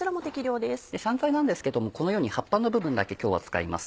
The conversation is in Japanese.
香菜なんですけどもこのように葉っぱの部分だけ今日は使います。